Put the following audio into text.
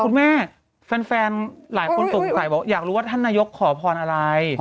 คุณแม่แฟนหลายคนสงสัยบอกอยากรู้ว่าท่านนายกขอพรอะไร